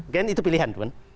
kan itu pilihan